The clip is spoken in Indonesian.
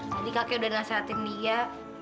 tadi kakek udah nasihatin lia